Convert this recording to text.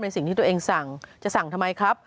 สิ่งที่ตัวเองสั่งจะสั่งทำไมครับ